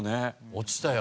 落ちたよ。